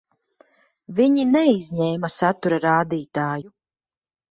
Viņi neizņēma satura rādītāju.